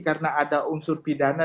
karena ada unsur pidana